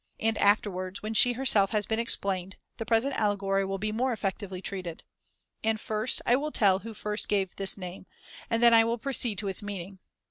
And afterwards, when she her self has been explained, the present allegory will be more effectively treated. And first I will tell who first gave this name, and then I will proceed to its meaning.